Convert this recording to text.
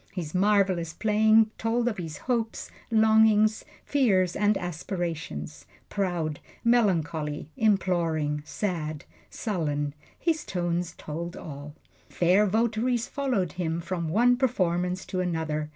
His marvelous playing told of his hopes, longings, fears and aspirations proud, melancholy, imploring, sad, sullen his tones told all. Fair votaries followed him from one performance to another.